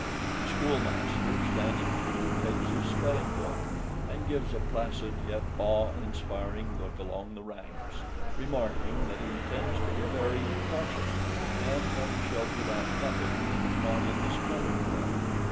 The schoolmaster, standing too, takes his spelling book, and gives a placid yet awe inspiring look along the ranks, remarking that he intends to be very impartial, and that he shall give out nothing that is not in the spelling book.